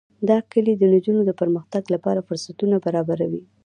دا کلي د نجونو د پرمختګ لپاره فرصتونه برابروي.